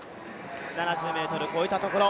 ７０ｍ越えたところ。